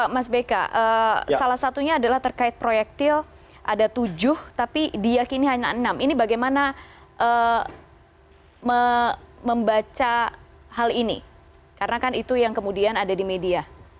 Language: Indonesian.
mas beka salah satunya adalah terkait proyektil ada tujuh tapi diakini hanya enam ini bagaimana membaca hal ini karena kan itu yang kemudian ada di media